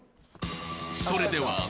［それでは］